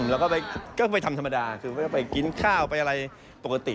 แล้วก็ไปทำธรรมดาคือไปกินข้าวไปอะไรปกติ